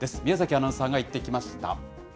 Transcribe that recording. アナウンサーが行ってきまし